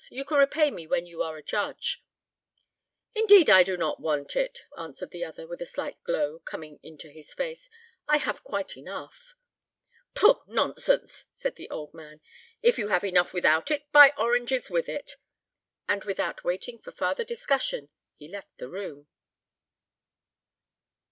You can repay me when you are a judge." "Indeed I do not want it," answered the other, with a slight glow coming into his face; "I have quite enough." "Pooh! nonsense," said the old man; "if you have enough without it, buy oranges with it." And without waiting for farther discussion, he left the room.